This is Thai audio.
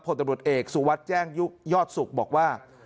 ตำรวจเอกสุวัสดิ์แจ้งยอดสุขบอกว่า